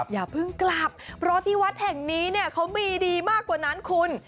อย่าเพิ่งกลับเพราะที่วัดแห่งนี้เนี่ยเขามีดีมากกว่านั้นคุณ